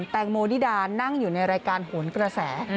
แตงโมนิดานั่งอยู่ในรายการโหนกระแส